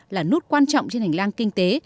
là nút quan trọng trên hành lang kinh tế